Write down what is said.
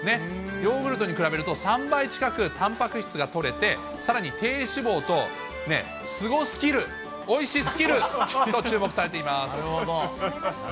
ヨーグルトに比べると３倍近くたんぱく質がとれて、さらに低脂肪と、すごスキル、おいしスキルと注目されています。